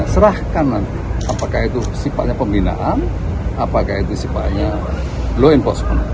serahkan nanti apakah itu sifatnya pembinaan apakah itu sifatnya law enforcement